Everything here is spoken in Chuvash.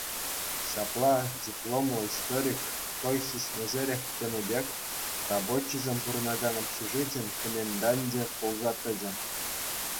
Ҫапла дипломлӑ историк хӑй сисмесӗрех тенӗ пек рабочисем пурӑнакан общежитин коменданчӗ пулса тӑчӗ.